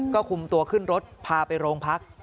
ก็คุมตัวขึ้นรถพาไปโรงพัก